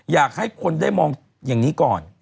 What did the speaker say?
อยากให้คนได้มองอย่างนี้ก่อน